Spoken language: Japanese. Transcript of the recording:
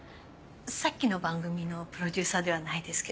さっきの番組のプロデューサーではないですけど。